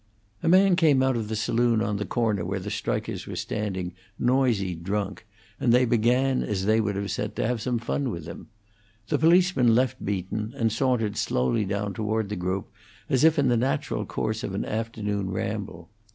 A man came out of the saloon on the corner where the strikers were standing, noisy drunk, and they began, as they would have said, to have some fun with him. The policeman left Beaton, and sauntered slowly down toward the group as if in the natural course of an afternoon ramble.